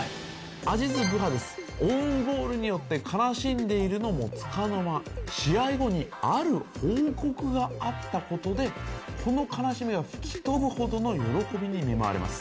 アジズ・ブアドゥズオウンゴールによって悲しんでいるのもつかの間試合後にある報告があったことでこの悲しみが吹き飛ぶほどの喜びに見舞われます。